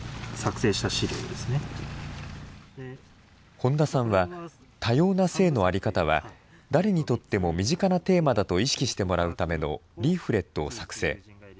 本田さんは、多様な性の在り方は誰にとっても身近なテーマだと意識してもらうためのリーフレットを作成。